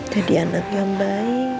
jadi anak yang baik